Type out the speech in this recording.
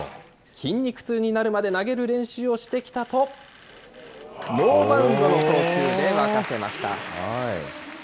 筋肉痛になるまで投げる練習をしてきたと、ノーバウンドの投球で沸かせました。